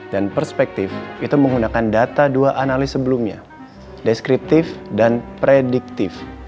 dan perspektif itu menggunakan data dua analis sebelumnya deskriptif dan prediktif